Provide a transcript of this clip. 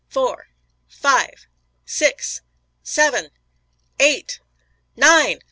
four! five! six! seven! eight! nine!